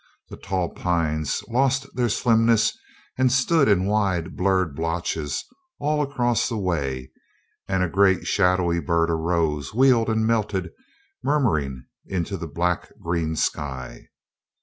The tall pines lost their slimness and stood in wide blurred blotches all across the way, and a great shadowy bird arose, wheeled and melted, murmuring, into the black green sky.